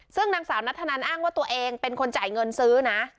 ซึ่งนางสาวนัทธนันอ้างว่าตัวเองเป็นคนจ่ายเงินซื้อนะ